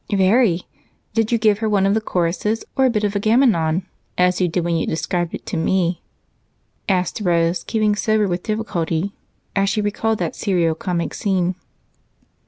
"Very. Did you give her one of the choruses or a bit of Agamemnon, as you did when you described it to me?" asked Rose, keeping sober with difficulty as she recalled that serio comic scene.